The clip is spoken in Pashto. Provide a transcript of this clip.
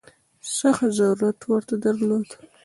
سخت ضرورت ورته درلود.